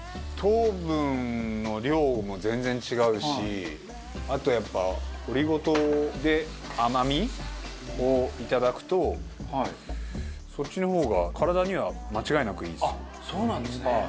糖分の量も全然違うしあとやっぱオリゴ糖で甘みをいただくとそっちの方が体には間違いなくいいですよ。